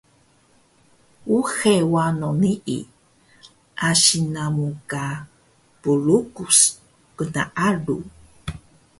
Uxe wano nii, asi namu ka plukus gnaalu